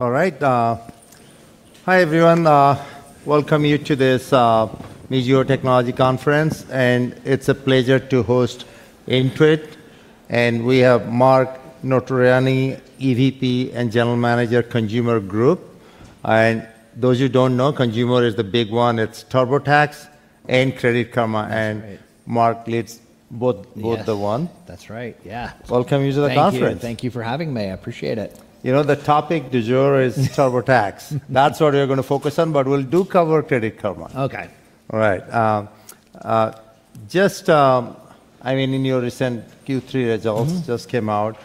All right. Hi, everyone. Welcome you to this Mizuho Technology Conference. It's a pleasure to host Intuit. We have Mark Notarainni, EVP and General Manager, Consumer Group. Those who don't know, Consumer is the big one. It's TurboTax and Credit Karma. Mark leads both the one. That's right. Yeah. Welcome you to the conference. Thank you. Thank you for having me. I appreciate it. You know the topic du jour is TurboTax. That's what we're going to focus on, but we'll do cover Credit Karma. Okay. All right. In your recent Q3 results. Just came out,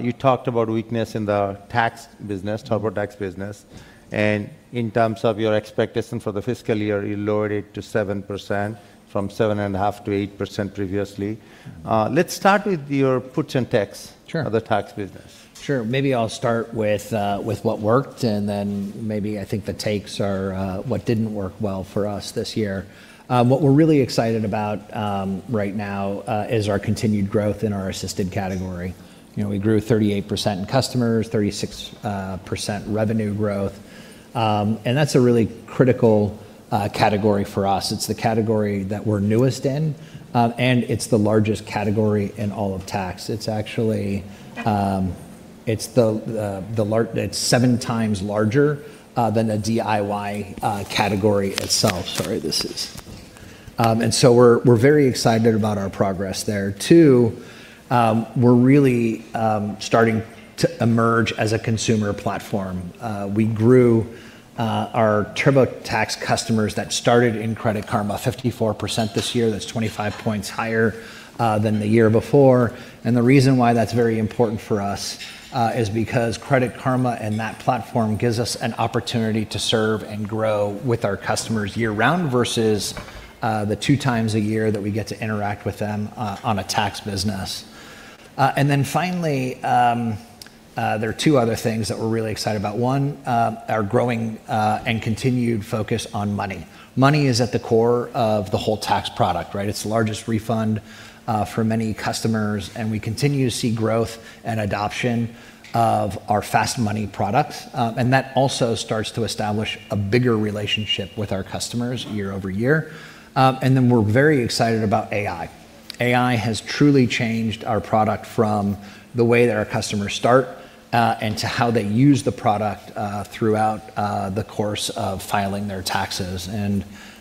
you talked about weakness in the tax business, TurboTax business. In terms of your expectation for the fiscal year, you lowered it to 7%, from 7.5%-8% previously. Let's start with your puts and takes of the tax business. Sure. Maybe I'll start with what worked, then maybe I think the takes are what didn't work well for us this year. What we're really excited about right now is our continued growth in our assisted category. We grew 38% in customers, 36% revenue growth, that's a really critical category for us. It's the category that we're newest in, it's the largest category in all of tax. It's 7x larger than a DIY category itself. We're very excited about our progress there. Two, we're really starting to emerge as a consumer platform. We grew our TurboTax customers that started in Credit Karma 54% this year. That's 25 points higher than the year before. The reason why that's very important for us is because Credit Karma and that platform gives us an opportunity to serve and grow with our customers year-round versus the two times a year that we get to interact with them on a tax business. Finally, there are two other things that we're really excited about. One, our growing and continued focus on money. Money is at the core of the whole tax product, right? It's the largest refund for many customers, and we continue to see growth and adoption of our fast money products. That also starts to establish a bigger relationship with our customers year-over-year. We're very excited about AI. AI has truly changed our product from the way that our customers start and to how they use the product throughout the course of filing their taxes.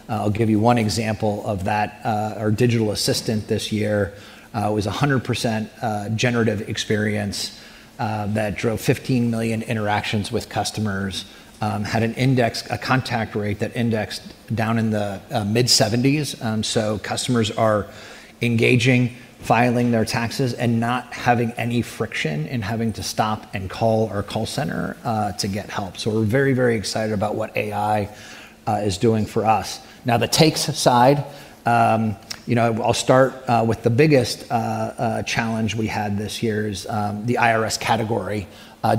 I'll give you one example of that. Our digital assistant this year was 100% generative experience that drove 15 million interactions with customers, had a contact rate that indexed down in the mid-70s. Customers are engaging, filing their taxes, and not having any friction in having to stop and call our call center to get help. We're very excited about what AI is doing for us. Now, the takes side. I'll start with the biggest challenge we had this year is the IRS category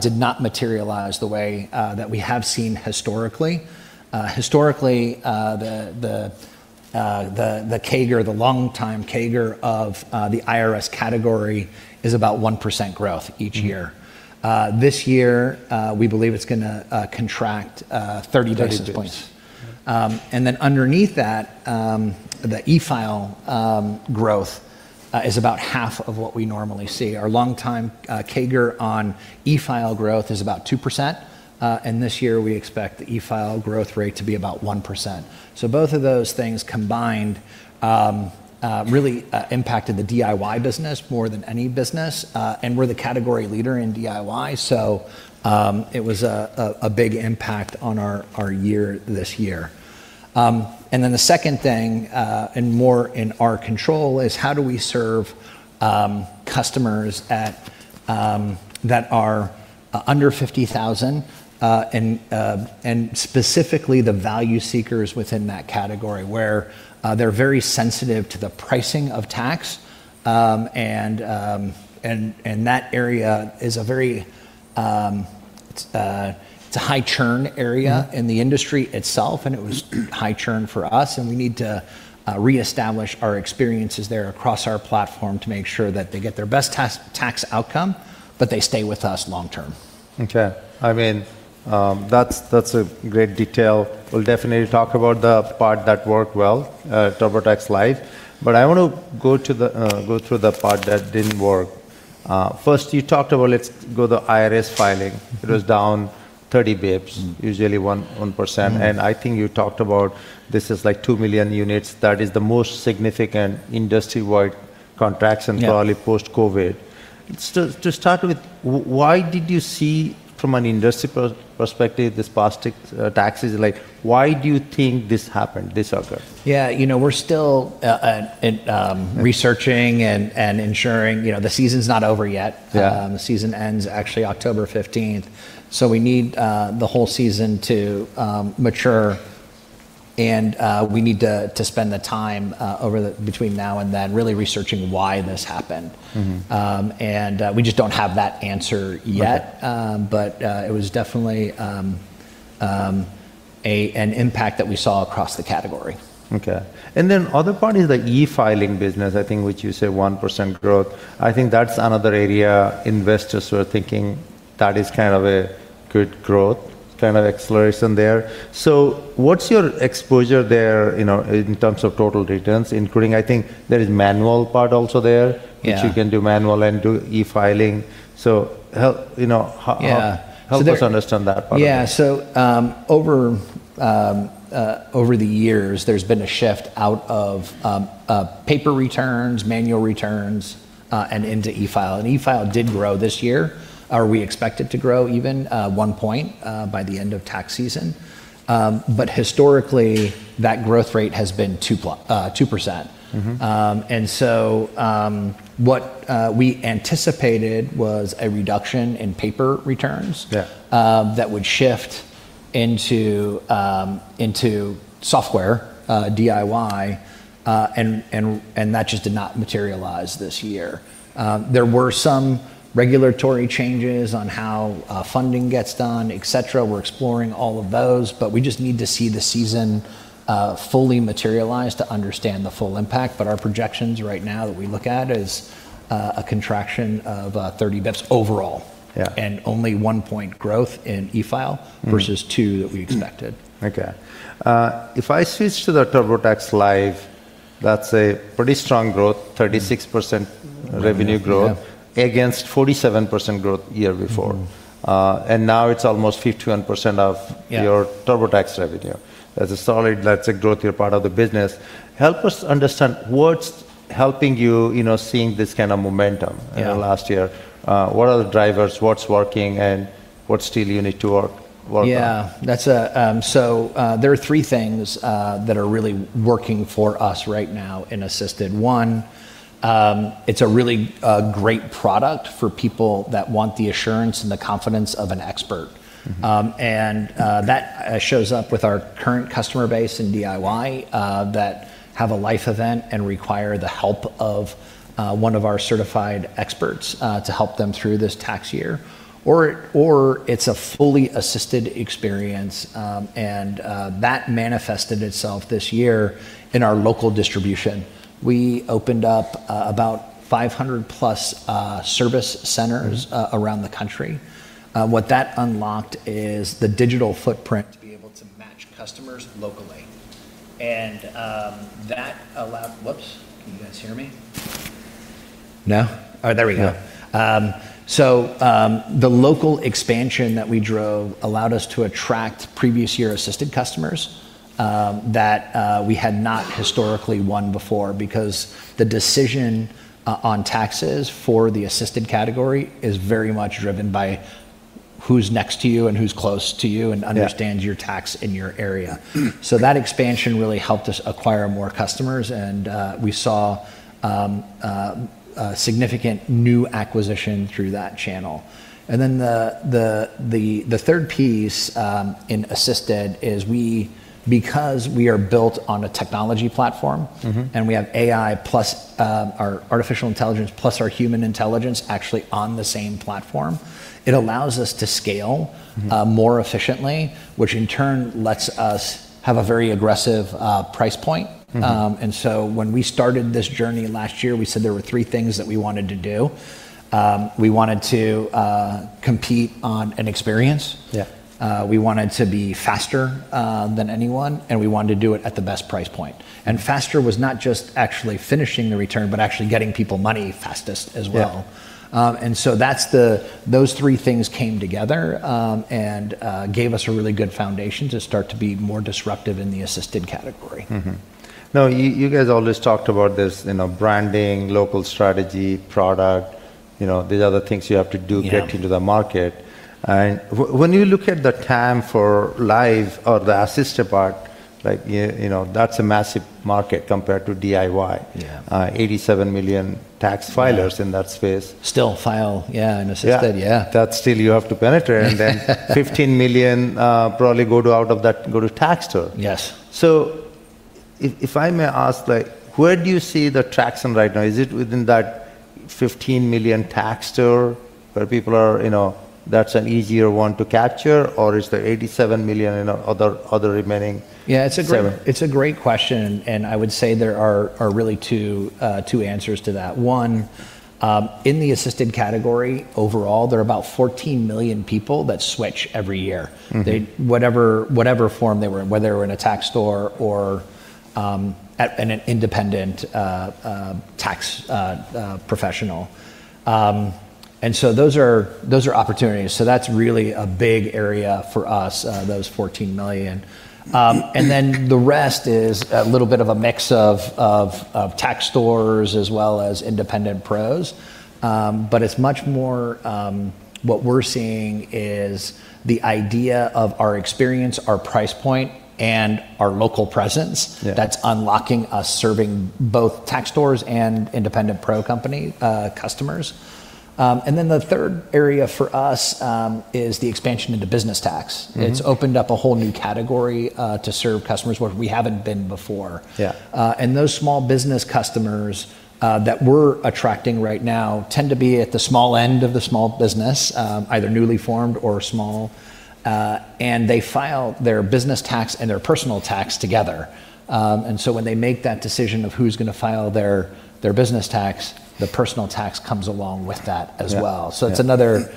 did not materialize the way that we have seen historically. Historically, the longtime CAGR of the IRS category is about 1% growth each year. This year, we believe it's going to contract 30 basis points. 30 basis points. Yeah. Underneath that, the e-file growth is about half of what we normally see. Our longtime CAGR on e-file growth is about 2%, and this year we expect the e-file growth rate to be about 1%. Both of those things combined really impacted the DIY business more than any business. We're the category leader in DIY, so it was a big impact on our year this year. The second thing, and more in our control, is how do we serve customers that are under 50,000, and specifically the value seekers within that category, where they're very sensitive to the pricing of tax. That area is a very high churn area in the industry itself, and it was high churn for us, and we need to reestablish our experiences there across our platform to make sure that they get their best tax outcome, but they stay with us long term. Okay. That's a great detail. We'll definitely talk about the part that worked well, TurboTax Live. I want to go through the part that didn't work. First, you talked about, let's go to the IRS filing. It was down 30 basis points usually 1%. I think you talked about this is like 2 million units. That is the most significant industry-wide contraction probably post-COVID. To start with, why did you see, from an industry perspective, this past tax is like, why do you think this happened, this occurred? Yeah. We're still researching and ensuring. The season's not over yet. The season ends actually October 15th, so we need the whole season to mature, and we need to spend the time between now and then really researching why this happened. We just don't have that answer yet. It was definitely an impact that we saw across the category. Okay. Then other part is the e-filing business, I think which you say 1% growth. I think that's another area investors are thinking that is a good growth, kind of acceleration there. What's your exposure there, in terms of total returns including, I think there is manual part also there which you can do manual and do e-filing. Help us understand that part of it. Yeah. Over the years, there's been a shift out of paper returns, manual returns, and into e-file, and e-file did grow this year, or we expect it to grow even one point by the end of tax season. Historically, that growth rate has been two percent. What we anticipated was a reduction in paper returns that would shift into software, DIY, and that just did not materialize this year. There were some regulatory changes on how funding gets done, et cetera. We're exploring all of those. We just need to see the season fully materialize to understand the full impact. Our projections right now that we look at is a contraction of 30 basis points overall. Yeah. Only one point growth in e-file versus two that we expected. Okay. If I switch to the TurboTax Live, that's a pretty strong growth, 36% revenue growth against 47% growth year before. Now it's almost 51% your TurboTax revenue. That's a solid, that's a growthier part of the business. Help us understand what's helping you seeing this kind of momentum in the last year. What are the drivers, what's working, and what still you need to work on? Yeah. There are three things that are really working for us right now in assisted. One, it's a really great product for people that want the assurance and the confidence of an expert. That shows up with our current customer base in DIY that have a life event and require the help of one of our certified experts to help them through this tax year, or it's a fully assisted experience, and that manifested itself this year in our local distribution. We opened up about 500+ service centers around the country. What that unlocked is the digital footprint to be able to match customers locally. Can you guys hear me? No? Yeah. All right, there we go. The local expansion that we drove allowed us to attract previous year assisted customers that we had not historically won before, because the decision on taxes for the assisted category is very much driven by who's next to you, and who's close to you, and understands your tax in your area. That expansion really helped us acquire more customers and we saw a significant new acquisition through that channel. The third piece in assisted is because we are built on a technology platform. We have AI+ our artificial intelligence, plus our human intelligence actually on the same platform, it allows us to scale more efficiently, which in turn lets us have a very aggressive price point. When we started this journey last year, we said there were three things that we wanted to do. We wanted to compete on an experience. Yeah. We wanted to be faster than anyone, and we wanted to do it at the best price point. Faster was not just actually finishing the return, but actually getting people money fastest as well. Those three things came together, and gave us a really good foundation to start to be more disruptive in the assisted category. You guys always talked about this, branding, local strategy, product, these are the things you have to do to get into the market. When you look at the TAM for Live or the assisted part, that's a massive market compared to DIY 87 million tax filers in that space. Still file, yeah, in assisted. Yeah. Yeah. That still you have to penetrate. 15 million probably out of that go to tax tool. Yes. If I may ask, where do you see the traction right now? Is it within that 15 million tax tool where people are, that's an easier one to capture, or is the 87 million in other segment? It's a great question, I would say there are really two answers to that. One. In the assisted category overall, there are about 14 million people that switch every year. Whatever form they were in, whether they were in a tax store or an independent tax professional. Those are opportunities. That's really a big area for us, those 14 million. The rest is a little bit of a mix of tax stores as well as independent pros. It's much more, what we're seeing is the idea of our experience, our price point, and our local presence. That's unlocking us serving both tax stores and independent pro customers. The third area for us is the expansion into business tax. It's opened up a whole new category to serve customers where we haven't been before. Yeah. Those small business customers that we're attracting right now tend to be at the small end of the small business, either newly formed or small. They file their business tax and their personal tax together. When they make that decision of who's going to file their business tax, the personal tax comes along with that as well. It's another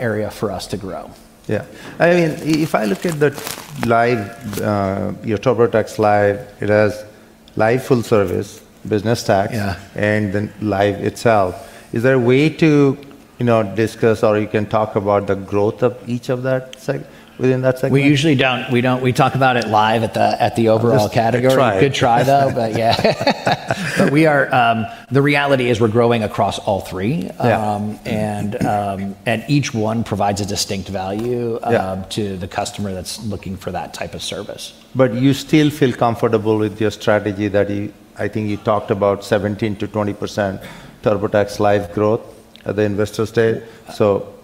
area for us to grow. If I look at your TurboTax Live, it has live full service, business tax and live itself. Is there a way to discuss, or you can talk about the growth of each of that within that segment? We usually don't. We talk about it live at the overall category. Just could try. Could try, though. Yeah. The reality is we're growing across all three. Yeah. Each one provides a distinct value to the customer that's looking for that type of service. You still feel comfortable with your strategy that, I think you talked about 17%-20% TurboTax Live growth at the investor day,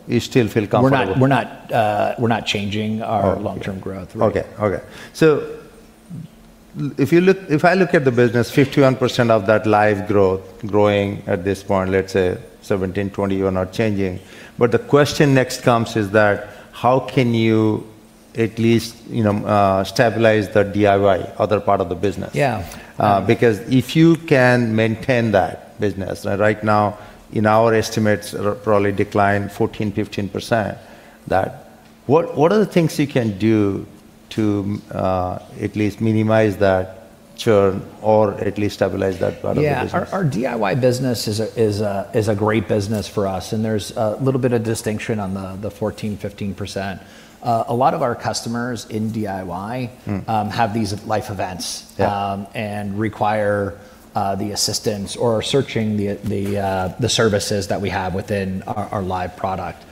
you still feel comfortable? We're not changing long-term growth rate. Okay. If I look at the business, 51% of that Live growth growing at this point, let's say 17%-20%, you are not changing. The question next comes is that how can you at least stabilize the DIY other part of the business? Yeah. If you can maintain that business, right now in our estimates probably decline 14%-15%. What are the things you can do to at least minimize that churn or at least stabilize that part of the business? Yeah. Our DIY business is a great business for us, and there's a little bit of distinction on the 14%-15%. A lot of our costumers in DIY have these life events and require the assistance or are searching the services that we have within our Live product.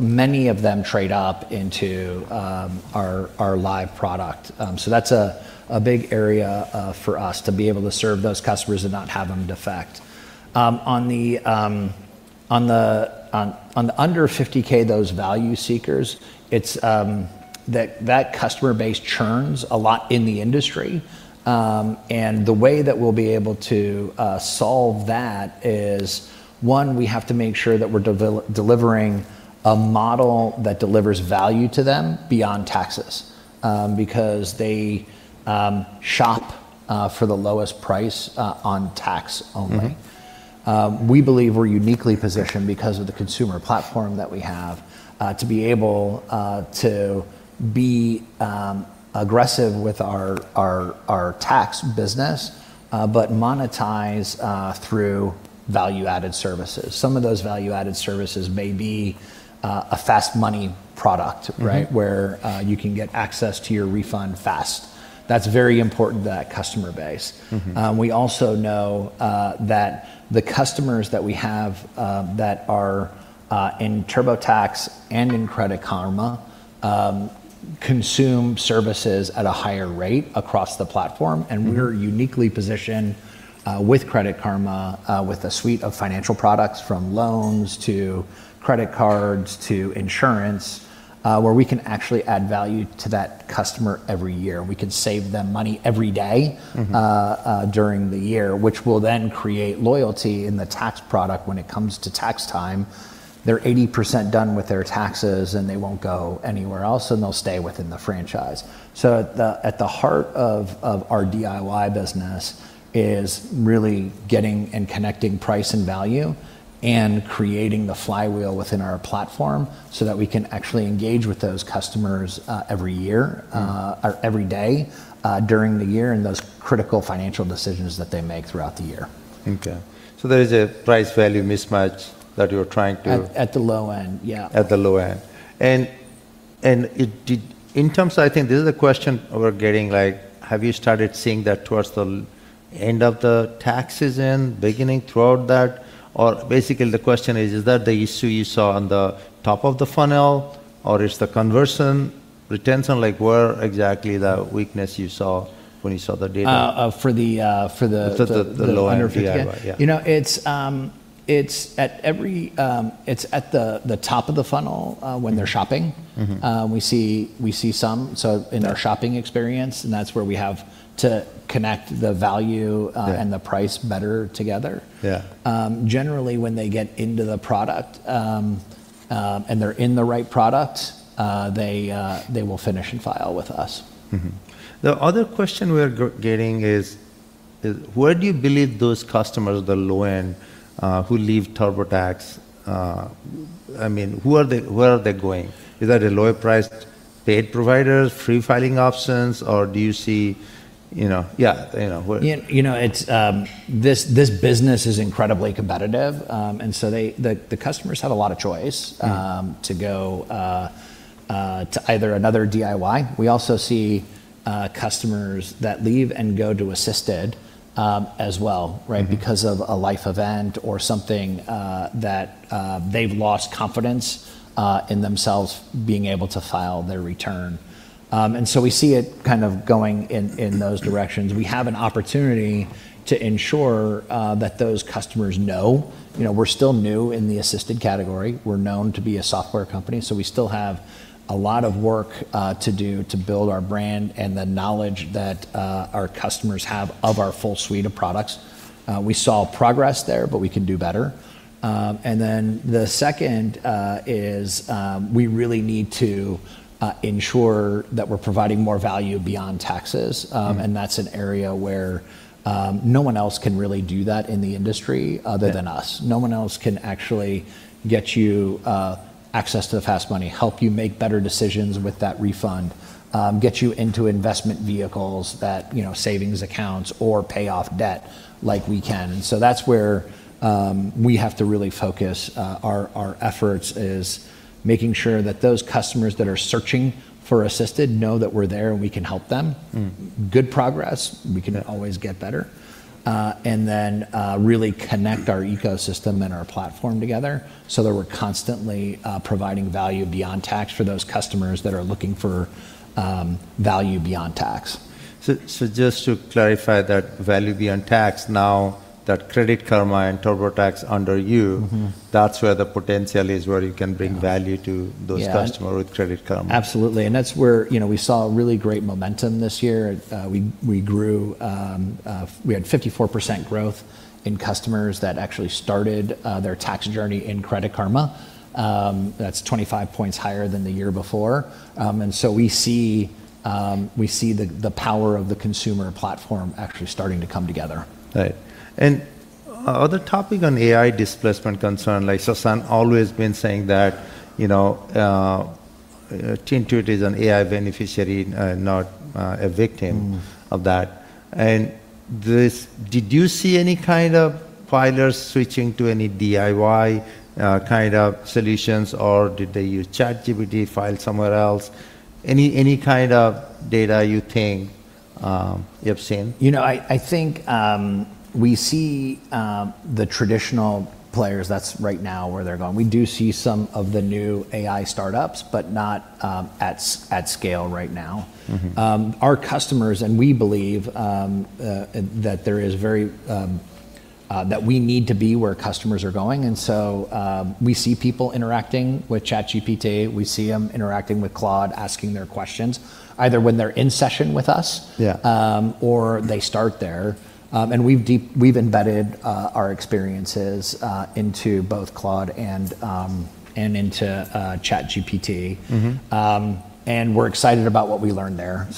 Many of them trade up into our Live product. That's a big area for us to be able to serve those customers and not have them defect. On the under $50,000, those value seekers, that customer base churns a lot in the industry. The way that we'll be able to solve that is, one, we have to make sure that we're delivering a model that delivers value to them beyond taxes. Because they shop for the lowest price on tax only. We believe we're uniquely positioned because of the consumer platform that we have, to be able to be aggressive with our tax business, but monetize through value-added services. Some of those value-added services may be a fast money product where you can get access to your refund fast. That's very important to that customer base. We also know that the customers that we have that are in TurboTax and in Credit Karma consume services at a higher rate across the platform, and we're uniquely positioned with Credit Karma with a suite of financial products, from loans to credit cards to insurance, where we can actually add value to that customer every year. We can save them money every day. During the year, which will then create loyalty in the tax product when it comes to tax time. They're 80% done with their taxes, and they won't go anywhere else, and they'll stay within the franchise. At the heart of our DIY business is really getting and connecting price and value and creating the flywheel within our platform so that we can actually engage with those customers every year. Every day during the year in those critical financial decisions that they make throughout the year. Okay. There is a price value mismatch that you're trying to. At the low end. Yeah. At the low end. In terms, I think this is a question we're getting, have you started seeing that towards the end of the tax season, beginning, throughout that, or basically the question is that the issue you saw on the top of the funnel, or it's the conversion, retention, like where exactly the weakness you saw when you saw the data for the low end DIY? under 50K? Yeah. It's at the top of the funnel when they're shopping. We see some, so in our shopping experience, and that's where we have to connect the value and the price better together. Yeah. Generally, when they get into the product, and they're in the right product, they will finish and file with us. The other question we're getting is where do you believe those customers, the low end, who leave TurboTax, where are they going? Is that a lower priced paid providers, free filing options, or do you see. Yeah. This business is incredibly competitive, the customers have a lot of choice to go to either another DIY. We also see customers that leave and go to Assisted as well, right? Because of a life event or something that. They've lost confidence in themselves being able to file their return. We see it kind of going in those directions. We have an opportunity to ensure that those customers know. We're still new in the assisted category. We're known to be a software company, so we still have a lot of work to do to build our brand and the knowledge that our customers have of our full suite of products. We saw progress there, but we can do better. The second is we really need to ensure that we're providing more value beyond taxes, and that's an area where no one else can really do that in the industry other than us. No one else can actually get you access to the fast money, help you make better decisions with that refund, get you into investment vehicles that, savings accounts or pay off debt like we can. That's where we have to really focus our efforts, is making sure that those customers that are searching for assisted know that we're there and we can help them. Good progress. We can always get better. Really connect our ecosystem and our platform together so that we're constantly providing value beyond tax for those customers that are looking for value beyond tax. Just to clarify that value beyond tax now that Credit Karma and TurboTax under you that's where the potential is, where you can bring value those customer with Credit Karma. Absolutely. That's where we saw really great momentum this year. We had 54% growth in customers that actually started their tax journey in Credit Karma. That's 25 points higher than the year before. We see the power of the consumer platform actually starting to come together. Right. Other topic on AI displacement concern, like Sasan always been saying that Intuit is an AI beneficiary, not a victim of that. Did you see any kind of filers switching to any DIY kind of solutions, or did they use ChatGPT, file somewhere else? Any kind of data you think you have seen? I think we see the traditional players, that's right now where they're going. We do see some of the new AI startups, but not at scale right now. Our customers, we believe that we need to be where customers are going. We see people interacting with ChatGPT, we see them interacting with Claude, asking their questions, either when they're in session with us or they start there. We've embedded our experiences into both Claude and into ChatGPT. We're excited about what we learned there.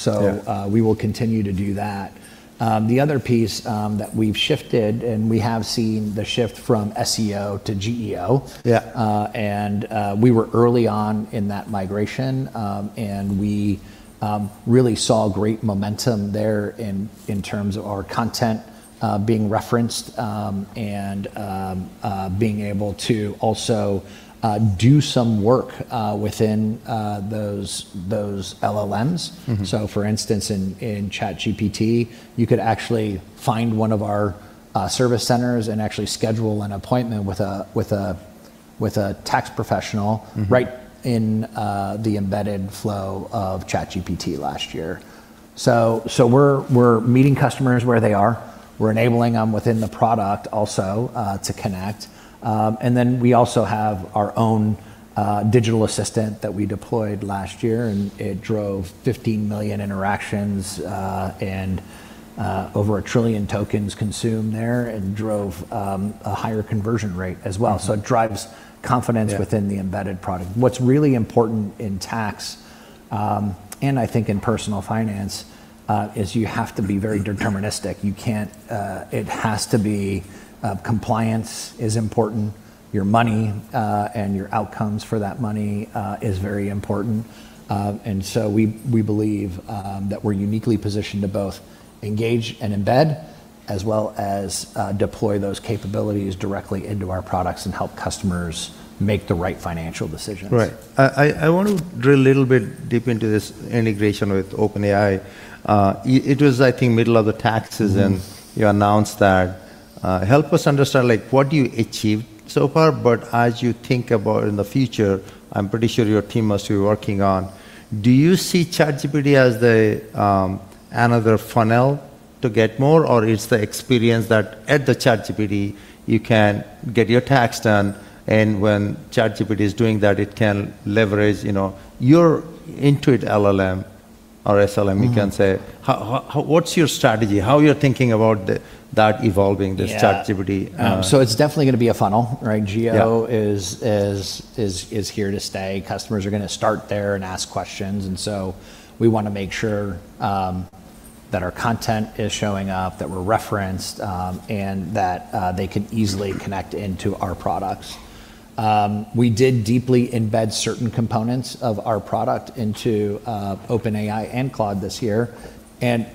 We will continue to do that. The other piece that we've shifted, and we have seen the shift from SEO to GEO. Yeah. We were early on in that migration, and we really saw great momentum there in terms of our content being referenced, and being able to also do some work within those LLMs. For instance, in ChatGPT, you could actually find one of our service centers and actually schedule an appointment with a tax professional right in the embedded flow of ChatGPT last year. We're meeting customers where they are. We're enabling them within the product also to connect. We also have our own digital assistant that we deployed last year, and it drove 15 million interactions, and over a trillion tokens consumed there, and drove a higher conversion rate as well. It drives confidence within the embedded product. What's really important in tax, and I think in personal finance, is you have to be very deterministic. Compliance is important. Your money, and your outcomes for that money is very important. We believe that we're uniquely positioned to both engage and embed as well as deploy those capabilities directly into our products and help customers make the right financial decisions. Right. I want to drill a little bit deep into this integration with OpenAI. It was, I think, middle of the taxes you announced that. Help us understand, what you achieved so far, as you think about in the future, I'm pretty sure your team must be working on, do you see ChatGPT as another funnel to get more, or it's the experience that at the ChatGPT, you can get your tax done, and when ChatGPT is doing that, it can leverage your Intuit LLM or SLM you can say. What's your strategy? How you're thinking about that evolving, this ChatGPT- Yeah. It's definitely going to be a funnel, right? Yeah. GEO is here to stay. Customers are going to start there and ask questions. We want to make sure that our content is showing up, that we're referenced, and that they can easily connect into our products. We did deeply embed certain components of our product into OpenAI and Claude this year, and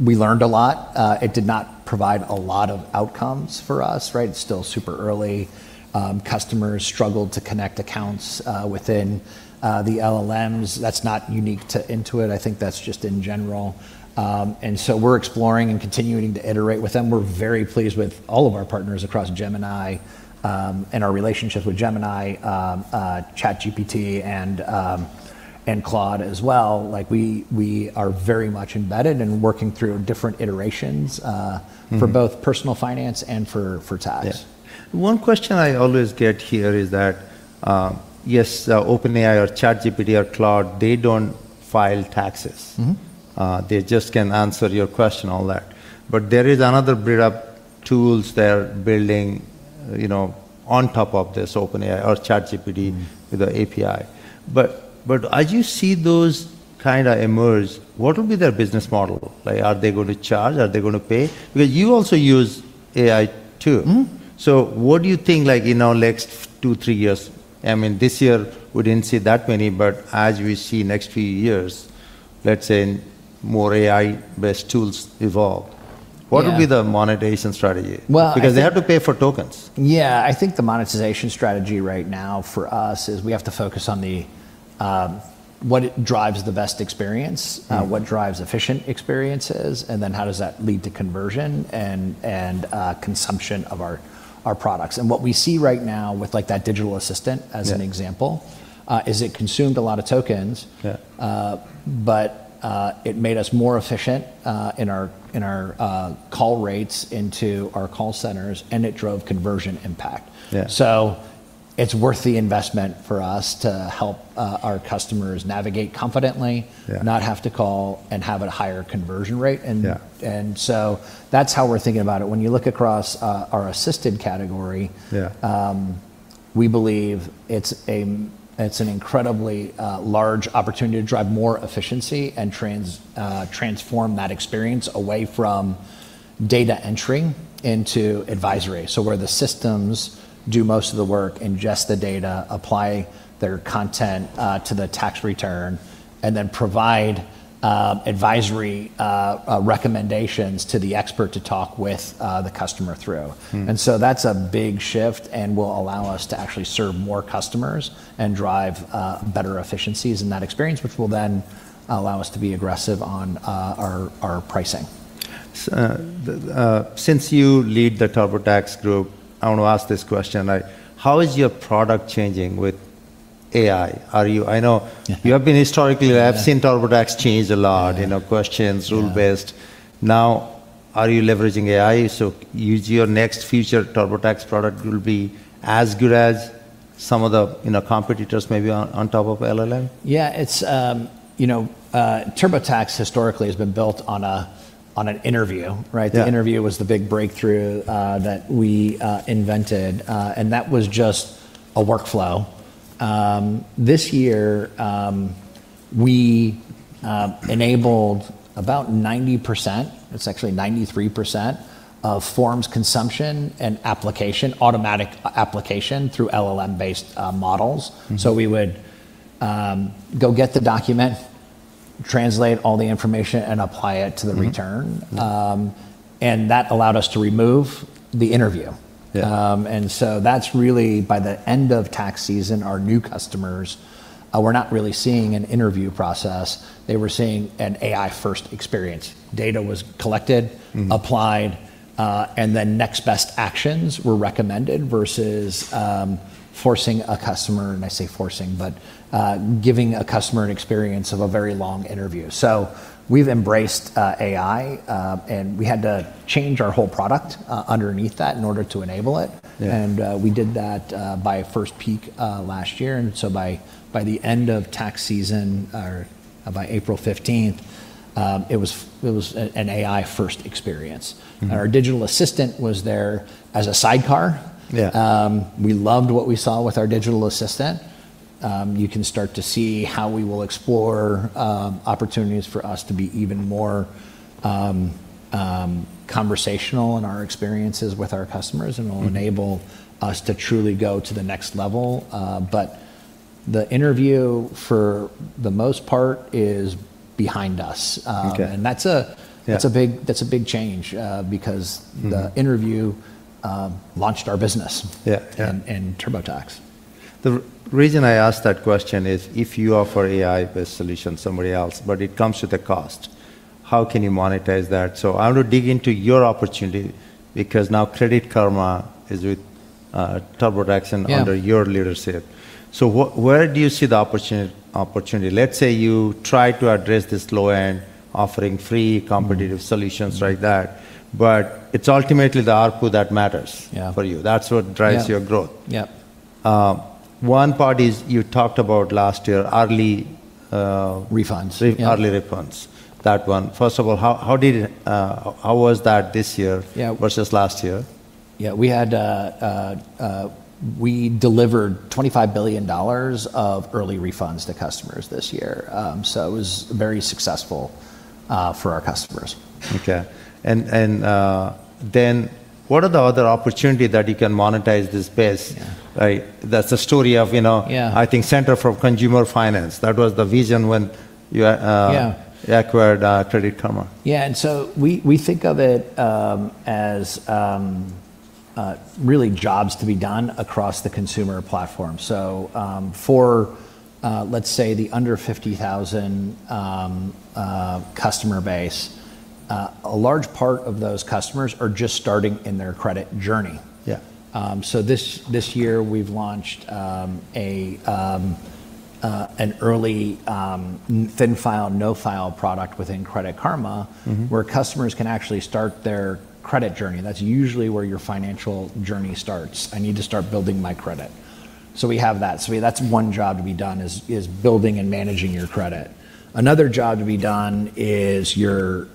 we learned a lot. It did not provide a lot of outcomes for us, right? It's still super early customers struggled to connect accounts within the LLMs. That's not unique to Intuit, I think that's just in general. We're exploring and continuing to iterate with them. We're very pleased with all of our partners across Gemini, and our relationships with Gemini, ChatGPT, and Claude as well. We are very much embedded and working through different iterations for both personal finance and for tax. Yeah. One question I always get here is that, yes, OpenAI or ChatGPT or Claude, they don't file taxes. They just can answer your question on that. There is another breed of tools they're building on top of this OpenAI or ChatGPT with the API. As you see those kind of emerge, what will be their business model? Are they going to charge? Are they going to pay? Because you also use AI too. What do you think in our next two, three years? This year we didn't see that many, but as we see next few years, let's say more AI-based tools evolve. What will be the monetization strategy? Well, I think. They have to pay for tokens. Yeah. I think the monetization strategy right now for us is we have to focus on what drives the best experience what drives efficient experiences, and then how does that lead to conversion and consumption of our products. What we see right now with that digital assistant, as an example is it consumed a lot of tokens it made us more efficient in our call rates into our call centers, and it drove conversion impact. It's worth the investment for us to help our customers navigate confidently not have to call, and have a higher conversion rate. That's how we're thinking about it. When you look across our assisted category. Yeah We believe it's an incredibly large opportunity to drive more efficiency and transform that experience away from data entry into advisory. Where the systems do most of the work, ingest the data, apply their content to the tax return, and then provide advisory recommendations to the expert to talk with the customer through. That's a big shift and will allow us to actually serve more customers and drive better efficiencies in that experience, which will then allow us to be aggressive on our pricing. Since you lead the TurboTax group, I want to ask this question. How is your product changing with AI? You have been. I have seen TurboTax change a lot rule-based. Are you leveraging AI, so your next future TurboTax product will be as good as some of the competitors, maybe on top of LLM? Yeah. TurboTax historically has been built on an interview, right? The interview was the big breakthrough that we invented, and that was just a workflow. This year, we enabled about 90%, it's actually 93%, of forms consumption and application, automatic application through LLM-based models. We would go get the document, translate all the information, and apply it to the return that allowed us to remove the interview. Yeah. That's really by the end of tax season, our new customers were not really seeing an interview process. They were seeing an AI-first experience. Data was collected, applied, next best actions were recommended versus forcing a customer, and I say forcing, but giving a customer an experience of a very long interview. We've embraced AI, and we had to change our whole product underneath that in order to enable it. We did that by first peak last year, by the end of tax season or by April 15th, it was an AI-first experience. Our digital assistant was there as a sidecar. Yeah. We loved what we saw with our digital assistant. You can start to see how we will explore opportunities for us to be even more conversational in our experiences with our customers. Will enable us to truly go to the next level. The interview, for the most part, is behind us. That's a big change. The interview launched our business in TurboTax. The reason I ask that question is if you offer AI-based solution somebody else, but it comes with a cost, how can you monetize that? I want to dig into your opportunity because now Credit Karma is with TurboTax under your leadership. Where do you see the opportunity? Let's say you try to address this low end, offering free competitive solutions like that, but it's ultimately the output that matters for you. That's what drives your growth. Yeah. One part is you talked about last year, early. Refunds. Yeah. Early refunds. That one. First of all, how was that this year versus last year? Yeah, we delivered $25 billion of early refunds to customers this year. It was very successful for our customers. Okay. What are the other opportunity that you can monetize this base? That's a story. I think Center for Consumer Finance. That was the vision when you acquired Credit Karma. Yeah. We think of it as really jobs to be done across the consumer platform. For, let's say, the under 50,000 customer base, a large part of those customers are just starting in their credit journey. This year, we've launched an early thin file, no file product within Credit Karma. Where customers can actually start their credit journey. That's usually where your financial journey starts. "I need to start building my credit." We have that. That's one job to be done, is building and managing your credit. Another job to be done is your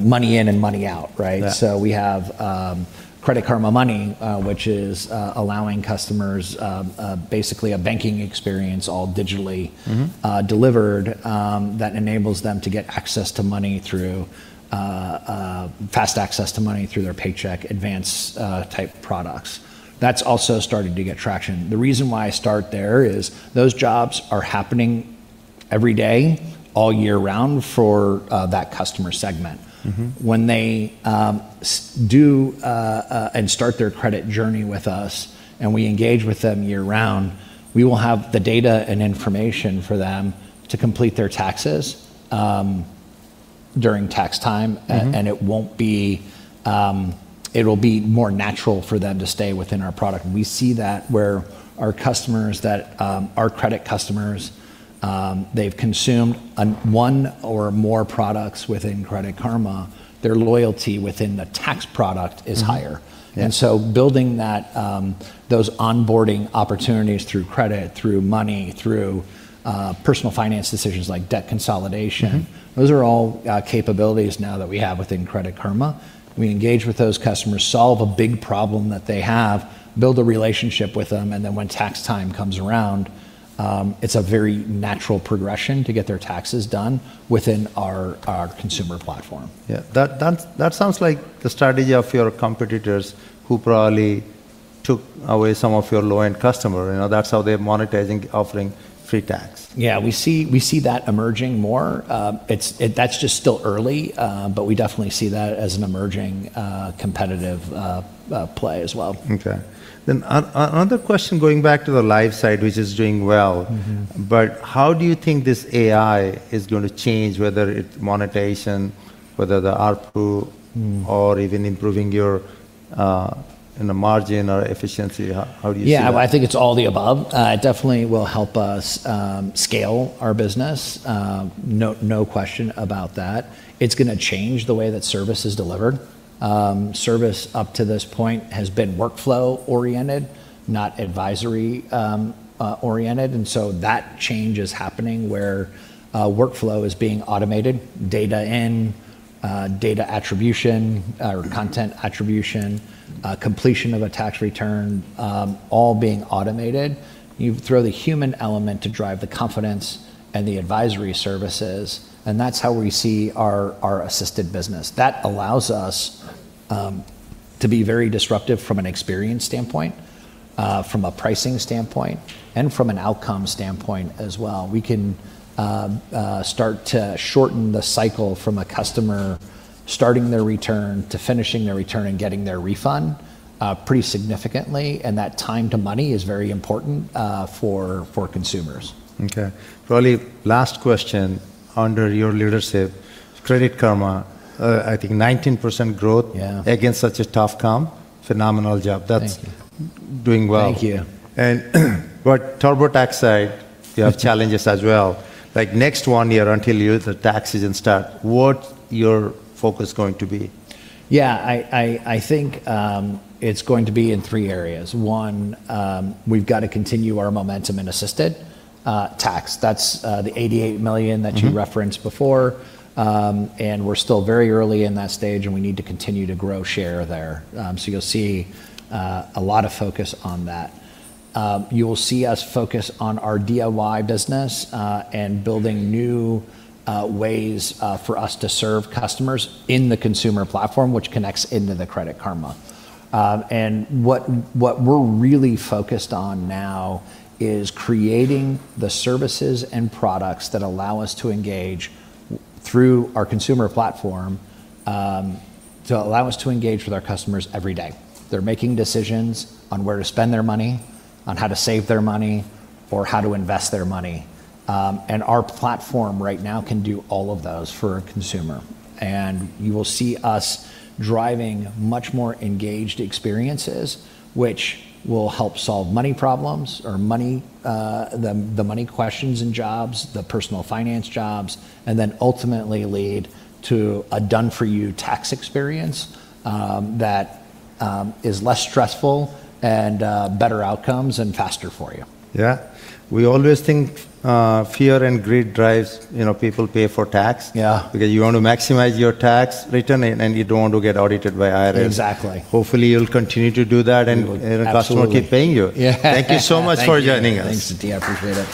money in and money out, right? We have Credit Karma Money, which is allowing customers basically a banking experience all digitally. Delivered, that enables them to get fast access to money through their paycheck advance type products. That's also starting to get traction. The reason why I start there is those jobs are happening every day, all year round, for that customer segment. When they do and start their credit journey with us, and we engage with them year-round, we will have the data and information for them to complete their taxes during tax time. It will be more natural for them to stay within our product. We see that where our credit customers, they've consumed one or more products within Credit Karma, their loyalty within the tax product is higher. Building those onboarding opportunities through credit, through money, through personal finance decisions like debt consolidation. Those are all capabilities now that we have within Credit Karma. We engage with those customers, solve a big problem that they have, build a relationship with them, and then when tax time comes around, it's a very natural progression to get their taxes done within our consumer platform. Yeah. That sounds like the strategy of your competitors, who probably took away some of your low-end customer. That's how they're monetizing offering free tax. Yeah. We see that emerging more. That's just still early, but we definitely see that as an emerging competitive play as well. Okay. Another question, going back to the live site, which is doing well. How do you think this AI is going to change, whether it's monetization, whether the ARPU. Even improving your margin or efficiency? How are you seeing that? Yeah. I think it's all the above. It definitely will help us scale our business. No question about that. It's going to change the way that service is delivered. Service, up to this point, has been workflow oriented, not advisory oriented. That change is happening where workflow is being automated, data in, data attribution or content attribution, completion of a tax return, all being automated. You throw the human element to drive the confidence and the advisory services, and that's how we see our assisted business. That allows us to be very disruptive from an experience standpoint, from a pricing standpoint, and from an outcome standpoint as well. We can start to shorten the cycle from a customer starting their return to finishing their return and getting their refund, pretty significantly, and that time to money is very important for consumers. Okay. Probably last question. Under your leadership, Credit Karma, I think 19% growth against such a tough comp. Phenomenal job. That's doing well. Thank you. TurboTax side, you have challenges as well. Like next one year until the tax season start, what your focus going to be? Yeah. I think it's going to be in three areas. One, we've got to continue our momentum in assisted tax. That's the $88 million that you referenced before. We're still very early in that stage, and we need to continue to grow share there. You'll see a lot of focus on that. You will see us focus on our DIY business and building new ways for us to serve customers in the consumer platform, which connects into the Credit Karma. What we're really focused on now is creating the services and products that allow us to engage through our consumer platform, to allow us to engage with our customers every day. They're making decisions on where to spend their money, on how to save their money, or how to invest their money. Our platform right now can do all of those for a consumer. You will see us driving much more engaged experiences, which will help solve money problems or the money questions and jobs, the personal finance jobs, and then ultimately lead to a done-for-you tax experience that is less stressful and better outcomes and faster for you. Yeah. We always think fear and greed drives people pay for tax. Yeah. You want to maximize your tax return, and you don't want to get audited by IRS. Exactly. Hopefully you'll continue to do that. We will. Absolutely. Customer keep paying you. Yeah. Thank you so much for joining us. Thank you. Thanks, Siti. I appreciate it.